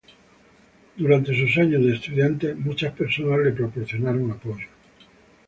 Durante sus años de estudiante, muchas personas le proporcionaron apoyo.